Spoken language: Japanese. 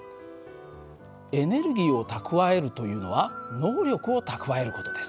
エネルギーを蓄えるというのは能力を蓄える事です。